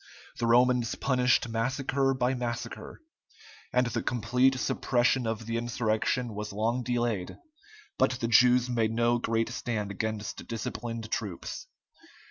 The Romans punished massacre by massacre, and the complete suppression of the insurrection was long delayed, but the Jews made no great stand against disciplined troops.